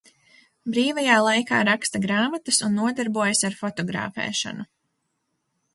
Brīvajā laikā raksta grāmatas un nodarbojas ar fotografēšanu.